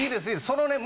そのね